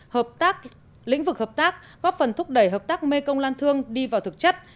hợp tác lĩnh vực hợp tác góp phần thúc đẩy hợp tác mê công lan thương đi vào thực chất